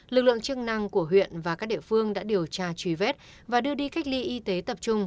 lực lượng chức năng của huyện và các địa phương đã điều tra truy vết và đưa đi cách ly y tế tập trung